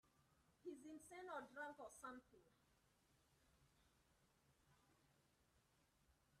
He's insane or drunk or something.